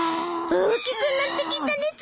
大きくなってきたです。